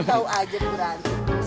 tau aja berarti